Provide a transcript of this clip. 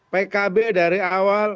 pkb dari awal